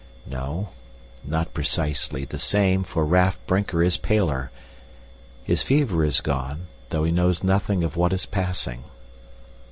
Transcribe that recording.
No, not precisely the same, for Raff Brinker is paler; his fever is gone, though he knows nothing of what is passing.